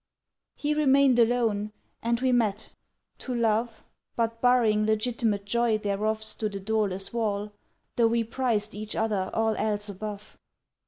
. "He remained alone; and we met—to love, But barring legitimate joy thereof Stood a doorless wall, Though we prized each other all else above.